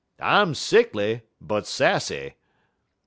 'I'm sickly but sassy.'"